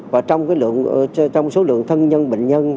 và trong số lượng thân nhân bệnh nhân